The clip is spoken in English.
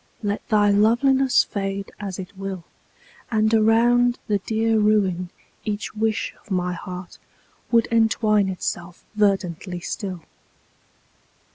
Let thy loveliness fade as it will. And around the dear ruin each wish of my heart Would entwine itself verdantly still.